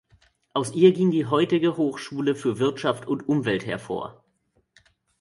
Aus ihr ging die heutige Hochschule für Wirtschaft und Umwelt hervor.